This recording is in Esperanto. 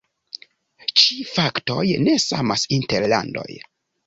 Ĉi faktoj ne samas inter landoj.